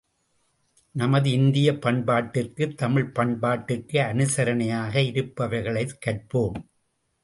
நமது இந்தியப் பண்பாட்டிற்கு தமிழ்ப் பண்பாட்டிற்கு அனுசரணையாக இருப்பவைகளைக் கற்போம்!